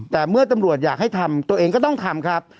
แต่เมื่อตำรวจอยากให้ทำตัวเองก็ต้องทำครับ